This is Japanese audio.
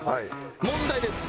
問題です。